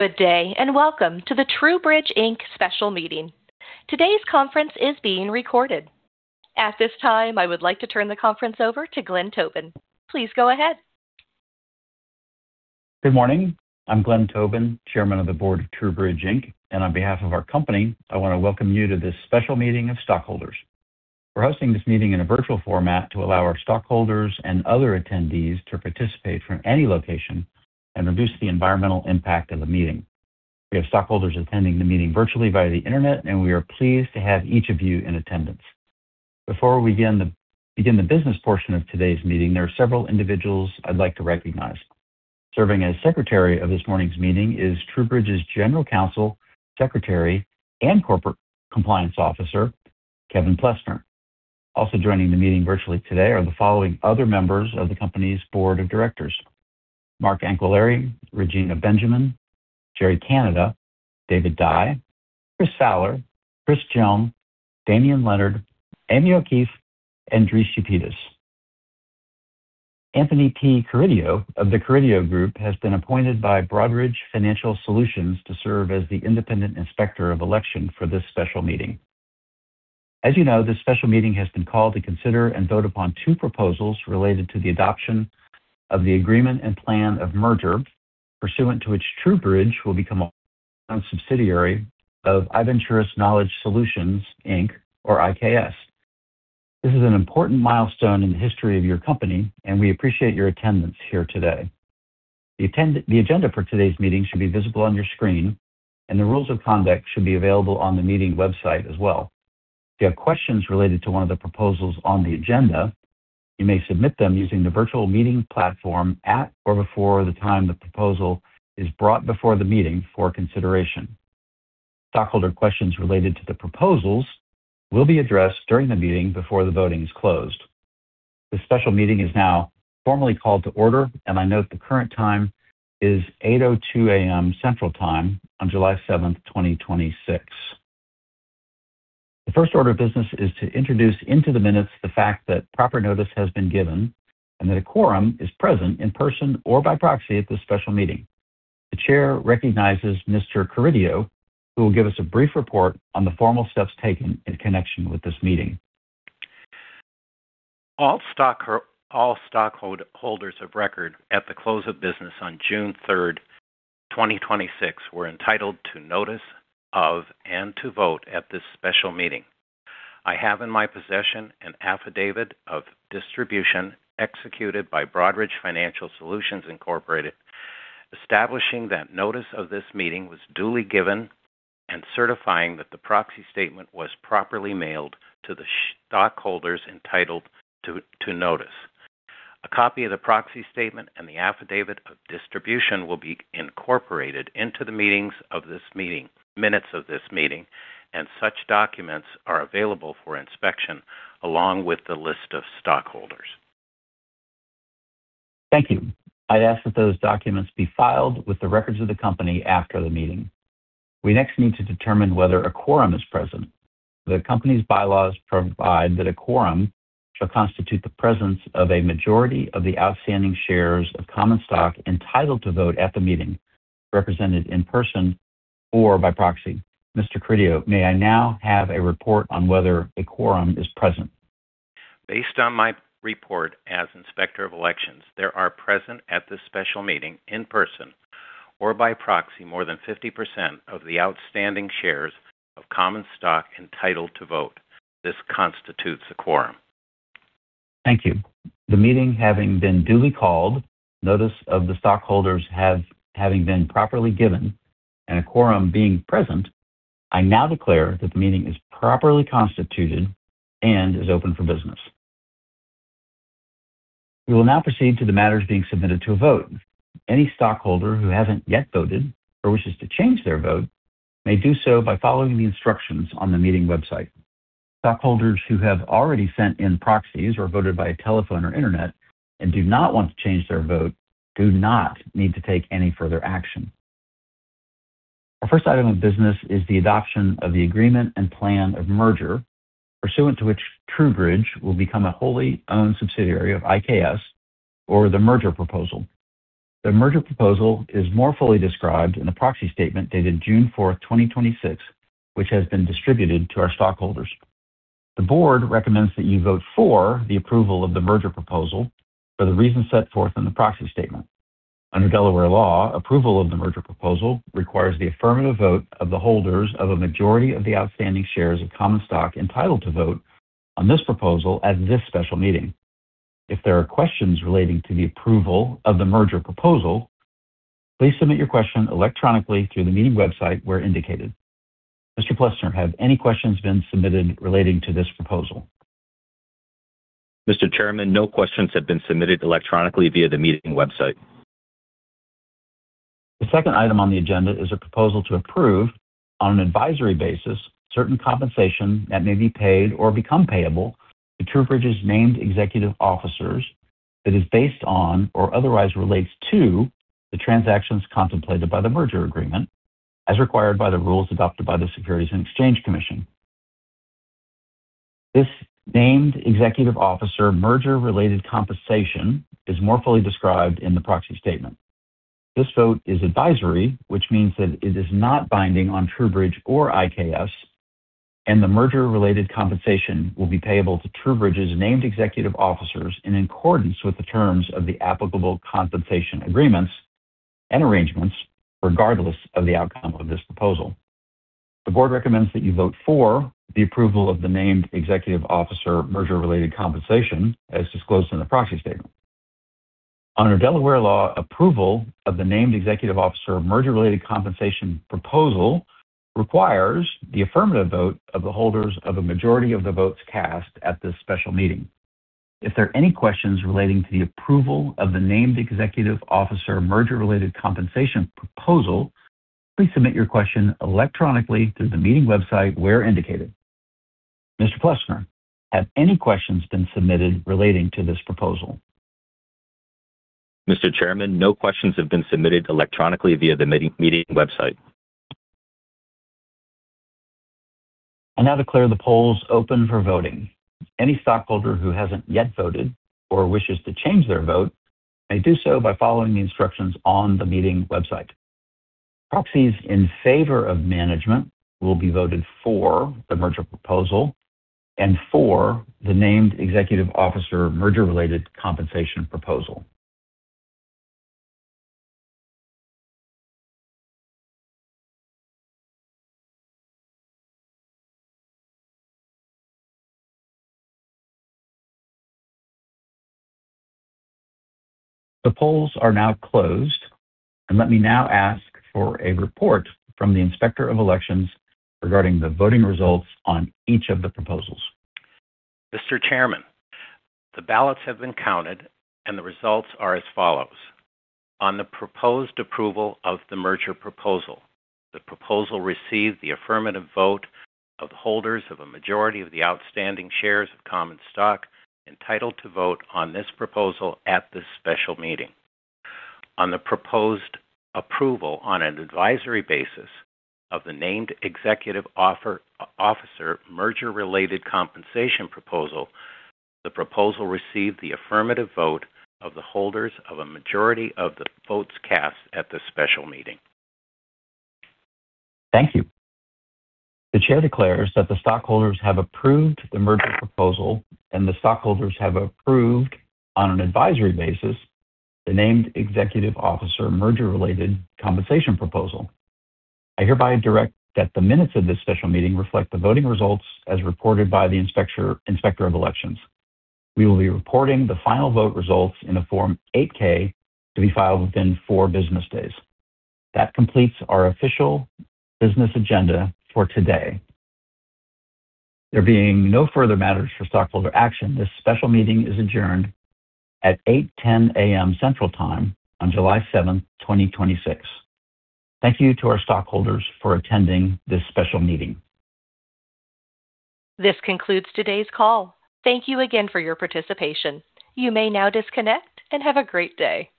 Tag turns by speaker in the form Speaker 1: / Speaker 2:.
Speaker 1: Good day. Welcome to the TruBridge Inc. special meeting. Today's conference is being recorded. At this time, I would like to turn the conference over to Glenn Tobin. Please go ahead.
Speaker 2: Good morning. I'm Glenn Tobin, Chairman of the Board of TruBridge Inc., and on behalf of our company, I want to welcome you to this special meeting of stockholders. We're hosting this meeting in a virtual format to allow our stockholders and other attendees to participate from any location and reduce the environmental impact of the meeting. We have stockholders attending the meeting virtually via the internet, and we are pleased to have each of you in attendance. Before we begin the business portion of today's meeting, there are several individuals I'd like to recognize. Serving as Secretary of this morning's meeting is TruBridge's General Counsel, Secretary, and Corporate Compliance Officer, Kevin Plessner. Also joining the meeting virtually today are the following other members of the company's Board of Directors: Mark Anquillare, Regina Benjamin, Jerry Canada, David Dye, Chris Fowler, Chris Hjelm, Damien Leonard, Amy O'Keefe, and Dris Upitis. Anthony P. Carideo of The Carideo Group has been appointed by Broadridge Financial Solutions to serve as the independent inspector of election for this special meeting. As you know, this special meeting has been called to consider and vote upon two proposals related to the adoption of the agreement and plan of merger, pursuant to which TruBridge will become a subsidiary of Inventurus Knowledge Solutions Inc., or IKS. This is an important milestone in the history of your company. We appreciate your attendance here today. The agenda for today's meeting should be visible on your screen. The rules of conduct should be available on the meeting website as well. If you have questions related to one of the proposals on the agenda, you may submit them using the virtual meeting platform at or before the time the proposal is brought before the meeting for consideration. Stockholder questions related to the proposals will be addressed during the meeting before the voting is closed. This special meeting is now formally called to order. I note the current time is 8:02 A.M. Central Time on July 7th, 2026. The first order of business is to introduce into the minutes the fact that proper notice has been given and that a quorum is present in person or by proxy at this special meeting. The Chair recognizes Mr. Carideo, who will give us a brief report on the formal steps taken in connection with this meeting.
Speaker 3: All stockholders of record at the close of business on June 3rd, 2026, were entitled to notice of and to vote at this special meeting. I have in my possession an affidavit of distribution executed by Broadridge Financial Solutions, Incorporated, establishing that notice of this meeting was duly given and certifying that the proxy statement was properly mailed to the stockholders entitled to notice. A copy of the proxy statement and the affidavit of distribution will be incorporated into the minutes of this meeting, and such documents are available for inspection along with the list of stockholders.
Speaker 2: Thank you. I'd ask that those documents be filed with the records of the company after the meeting. We next need to determine whether a quorum is present. The company's bylaws provide that a quorum shall constitute the presence of a majority of the outstanding shares of common stock entitled to vote at the meeting, represented in person or by proxy. Mr. Carideo, may I now have a report on whether a quorum is present?
Speaker 3: Based on my report as Inspector of Elections, there are present at this special meeting, in person or by proxy, more than 50% of the outstanding shares of common stock entitled to vote. This constitutes a quorum.
Speaker 2: Thank you. The meeting having been duly called, notice of the stockholders having been properly given, and a quorum being present, I now declare that the meeting is properly constituted and is open for business. We will now proceed to the matters being submitted to a vote. Any stockholder who hasn't yet voted or wishes to change their vote may do so by following the instructions on the meeting website. Stockholders who have already sent in proxies or voted by telephone or internet and do not want to change their vote do not need to take any further action. Our first item of business is the adoption of the agreement and plan of merger, pursuant to which TruBridge will become a wholly owned subsidiary of IKS or the merger proposal. The merger proposal is more fully described in the proxy statement dated June 4th, 2026, which has been distributed to our stockholders. The board recommends that you vote for the approval of the merger proposal for the reasons set forth in the proxy statement. Under Delaware law, approval of the merger proposal requires the affirmative vote of the holders of a majority of the outstanding shares of common stock entitled to vote on this proposal at this special meeting. If there are questions relating to the approval of the merger proposal, please submit your question electronically through the meeting website where indicated. Mr. Plessner, have any questions been submitted relating to this proposal?
Speaker 4: Mr. Chairman, no questions have been submitted electronically via the meeting website.
Speaker 2: The second item on the agenda is a proposal to approve, on an advisory basis, certain compensation that may be paid or become payable to TruBridge's named executive officers that is based on or otherwise relates to the transactions contemplated by the merger agreement, as required by the rules adopted by the Securities and Exchange Commission. This named executive officer merger-related compensation is more fully described in the proxy statement. This vote is advisory, which means that it is not binding on TruBridge or IKS, and the merger-related compensation will be payable to TruBridge's named executive officers in accordance with the terms of the applicable compensation agreements and arrangements, regardless of the outcome of this proposal. The board recommends that you vote for the approval of the named executive officer merger-related compensation as disclosed in the proxy statement. Under Delaware law, approval of the named executive officer merger-related compensation proposal requires the affirmative vote of the holders of a majority of the votes cast at this special meeting. If there are any questions relating to the approval of the named executive officer merger-related compensation proposal, please submit your question electronically through the meeting website where indicated. Mr. Plessner, have any questions been submitted relating to this proposal?
Speaker 4: Mr. Chairman, no questions have been submitted electronically via the meeting website.
Speaker 2: I now declare the polls open for voting. Any stockholder who hasn't yet voted or wishes to change their vote may do so by following the instructions on the meeting website. Proxies in favor of management will be voted for the merger proposal and for the named executive officer merger-related compensation proposal. The polls are now closed, and let me now ask for a report from the Inspector of Elections regarding the voting results on each of the proposals.
Speaker 3: Mr. Chairman, the ballots have been counted, and the results are as follows. On the proposed approval of the merger proposal, the proposal received the affirmative vote of the holders of a majority of the outstanding shares of common stock entitled to vote on this proposal at this special meeting. On the proposed approval on an advisory basis of the named executive officer merger-related compensation proposal, the proposal received the affirmative vote of the holders of a majority of the votes cast at this special meeting.
Speaker 2: Thank you. The chair declares that the stockholders have approved the merger proposal and the stockholders have approved, on an advisory basis, the named executive officer merger-related compensation proposal. I hereby direct that the minutes of this special meeting reflect the voting results as reported by the Inspector of Elections. We will be reporting the final vote results in a Form 8-K to be filed within four business days. That completes our official business agenda for today. There being no further matters for stockholder action, this special meeting is adjourned at 8:10 A.M. Central Time on July 7th, 2026. Thank you to our stockholders for attending this special meeting.
Speaker 1: This concludes today's call. Thank you again for your participation. You may now disconnect and have a great day.